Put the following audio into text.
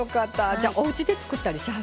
じゃあおうちで作ったりしはります？